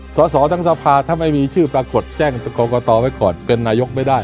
สอสอทั้งสภาถ้าไม่มีชื่อปรากฏแจ้งกรกตไว้ก่อนเป็นนายกไม่ได้